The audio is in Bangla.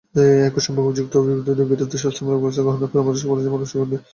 একই সঙ্গে অভিযুক্ত ব্যক্তিদের বিরুদ্ধে শাস্তিমূলক ব্যবস্থা গ্রহণেরও সুপারিশ করেছে কমিটি।